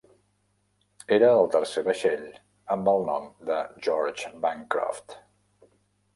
Era el tercer vaixell amb el nom de George Bancroft.